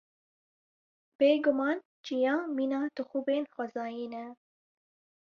Bêguman çiya mîna tixûbên xwezayî ne.